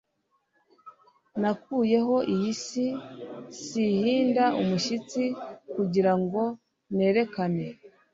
Nakuyeho iyi si ihinda umushyitsi kugirango nerekane